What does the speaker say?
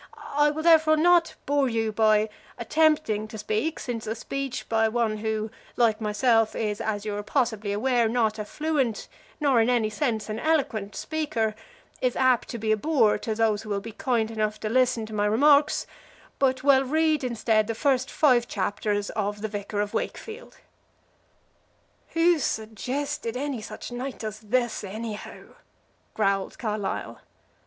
I will therefore not bore you by attempting to speak, since a speech by one who like myself is, as you are possibly aware, not a fluent nor indeed in any sense an eloquent speaker, is apt to be a bore to those who will be kind enough to listen to my remarks, but will read instead the first five chapters of the Vicar of Wakefield." "Who suggested any such night as this, anyhow?" growled Carlyle.